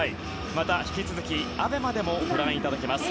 また、引き続きＡＢＥＭＡでもご覧いただけます。